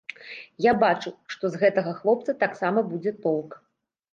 Я бачу, што з гэтага хлопца таксама будзе толк.